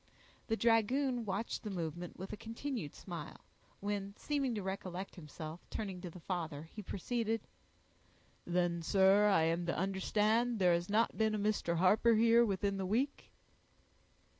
The dragoon watched the movement with a continued smile, when, seeming to recollect himself, turning to the father, he proceeded,— "Then, sir, I am to understand there has not been a Mr. Harper here, within the week?"